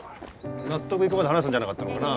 納得いくまで話すんじゃなかったのかな？